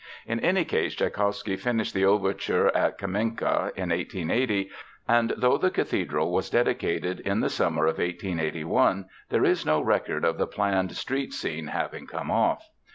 In any case Tschaikowsky finished the overture at Kamenka in 1880, and though the cathedral was dedicated in the summer of 1881, there is no record of the planned street scene having come off.